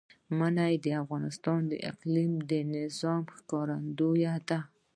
منی د افغانستان د اقلیمي نظام ښکارندوی ده.